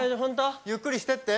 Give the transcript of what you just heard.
ゆっくりしてって。